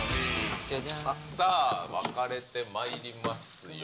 さあ、分かれてまいりますよ。